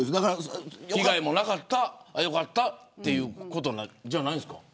被害もなかった、よかったということじゃないんですか。